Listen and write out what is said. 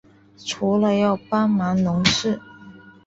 除了要帮忙农事